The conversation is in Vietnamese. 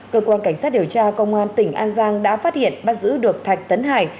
cơ quan cảnh sát điều tra công an tỉnh an giang đã phát hiện bắt giữ được thạch tấn hải